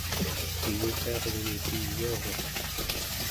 kingupiarluni piyuaguq